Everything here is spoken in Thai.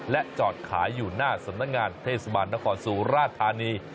และจอดขายอยู่หน้าสำนักงานเทศบาลนครสุราธานี